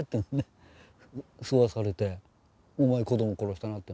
座らされて「お前子供殺したな」って。